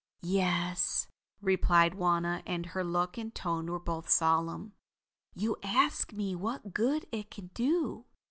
"Yes," replied Wauna, and her look and tone were both solemn. "You ask me what good it can do?